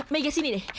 mega sini deh